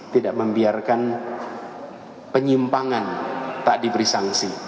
tidak membiarkan penyimpangan tak diberi sanksi